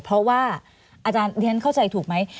เพราะว่าอาจารย์เรียนเข้าใจถูกไหม